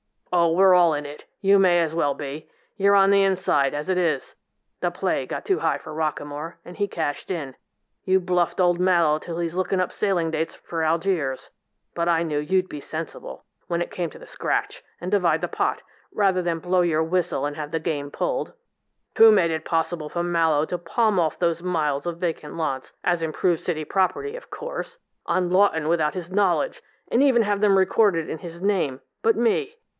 Oh, we're all in it, you may as well be!... The play got too high for Rockamore, and he cashed in; you've bluffed old Mallowe till he's looking up sailing dates for Algiers, but I knew you'd be sensible, when it came to the scratch, and divide the pot, rather than blow your whistle and have the game pulled.... Who made it possible for Mallowe to palm off those miles of vacant lots as improved city property, of course on Lawton without his knowledge, and even have them recorded in his name, but me?